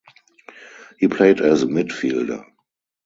He played as midfielder.